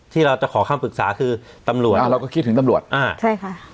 ที่เราจะขอคำปรึกษาคือตำรวจอ่าเราก็คิดถึงตำรวจอ่าใช่ค่ะ